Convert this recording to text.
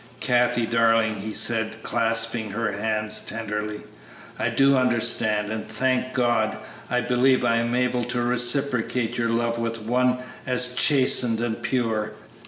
"Kathie, darling," he said, clasping her hands tenderly, "I do understand, and, thank God, I believe I am able to reciprocate your love with one as chastened and pure.